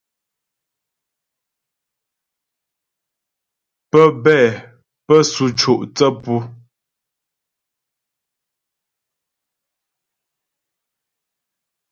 Pə́bɛ pə́ sʉ co' thə́ pu.